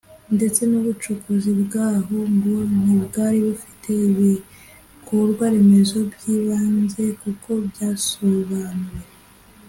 ndetse n’ubucukuzi bwaho ngo ntibwari bufite ibikorwaremezo by’ibanze nkuko byasobanuwe